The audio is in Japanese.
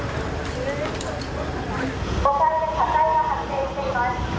５階で火災が発生しています。